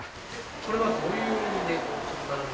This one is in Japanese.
これはどういう意味で斜めに？